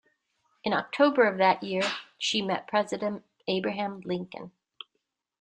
In October of that year, she met President Abraham Lincoln.